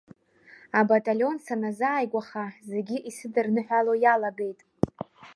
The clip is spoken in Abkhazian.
Абаталион саназааигәаха, зегьы исыдырныҳәало иалагеит.